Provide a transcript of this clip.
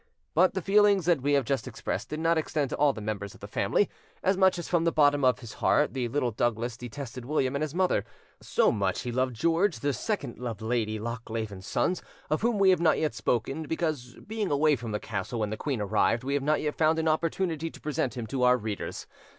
But the feelings that we have just expressed did not extend to all the members of the family: as much as from the bottom of his heart the little Douglas detested William and his mother, so much he loved George, the second of Lady Lochleven's sons, of whom we have not yet spoken, because, being away from the castle when the queen arrived, we have not yet found an opportunity to present him to our readers.